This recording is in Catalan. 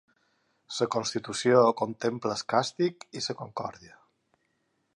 La constitució contempla el càstig i la concòrdia.